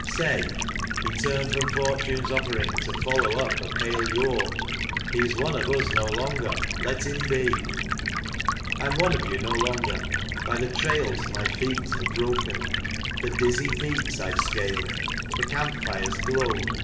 Say: "He turned from Fortune's offering to follow up a pale lure, He is one of us no longer — let him be." I am one of you no longer : by the trails my feet have broken. The dizzy peaks I've scaled, the camp fire's glow.